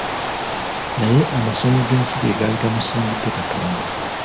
Naye amasanyu g'ensi ge gaali gamusingidde katonda.